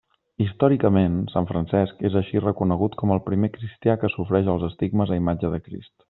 Històricament, sant Francesc és així reconegut com el primer cristià que sofreix els estigmes a imatge de Crist.